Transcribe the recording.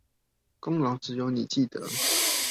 功勞只有你記得